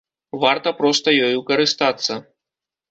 Варта проста ёю карыстацца.